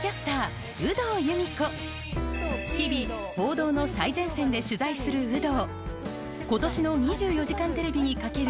日々報道の最前線で取材する有働